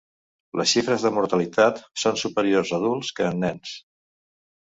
Les xifres de mortalitat són superiors adults que en nens.